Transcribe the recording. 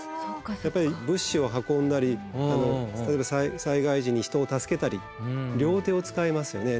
やっぱり物資を運んだり例えば災害時に人を助けたり両手を使いますよね。